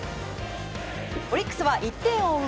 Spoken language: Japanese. オリックスは１点を追う